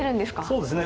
そうですね。